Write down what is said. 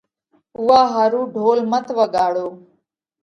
اُوئا ۿارُو ڍول مت وڳاڙو۔